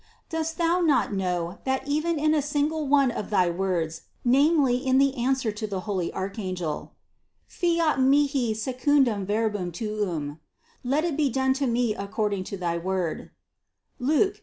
Dost Thou not know, that even in a single one of thy words namely in thy answer to the holy archangel : "Fiat nihi secundum verbum tuum" "Let it be done to me accord ing to thy word" (Luc.